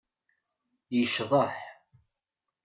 Yecḍeḥ.